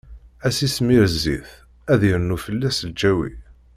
Ad s-ismir zzit, ad d-irnu fell-as lǧawi.